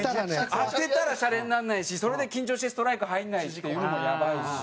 当てたらシャレにならないしそれで緊張してストライク入んないっていうのもやばいし。